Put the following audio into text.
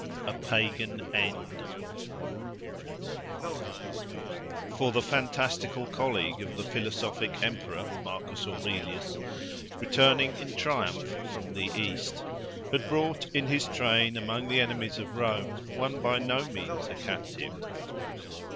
A PAGAN END For the fantastical colleague of the philosophic emperor Marcus Aurelius, returning in triumph from the East, had brought in his train, among the enemies of Rome, one by no means a captive.